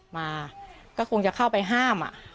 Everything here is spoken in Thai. มาก็คงจะเข้าไปห้าม